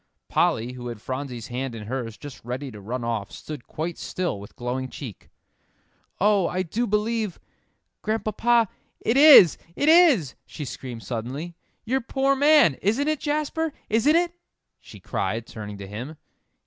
Polly, who had Phronsie's hand in hers, just ready to run off, stood quite still with glowing cheek. "Oh, I do believe Grandpapa it is it is!" she screamed suddenly "your poor man! Isn't it, Jasper isn't it?" she cried, turning to him.